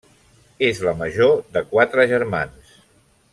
És la major de quatre germans.